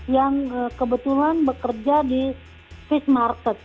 yang kebetulan bekerja di fish market